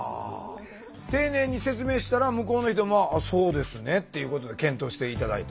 丁寧に説明したら向こうの人も「あそうですね」っていうことで検討して頂いた。